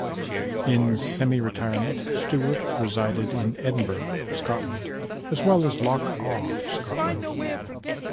In semi-retirement Stewart resided in Edinburgh, Scotland as well as Loch Awe, Scotland.